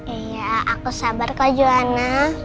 iya aku sabar kok gimana